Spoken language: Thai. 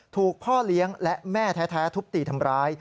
ถูกพ่อเลี้ยงและแม่แท้ทุบตีทำร้าย